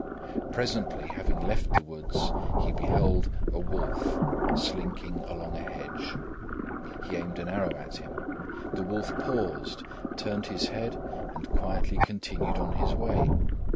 Presently, having left the woods, he beheld a wolf slinking along a hedge. He aimed an arrow at him. The wolf paused, turned his head and quietly continued on his way.